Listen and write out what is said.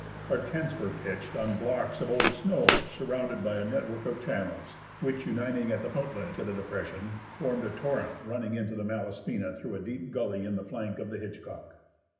Our tents were pitched on blocks of old snow surrounded by a network of channels which, uniting at the outlet of the depression, DESCENDING A SNOW SLOPE AT THE EDGE OF THE SEWARD. formed a torrent running into the Malaspina through a deep gully in the flank of the Hitchcock.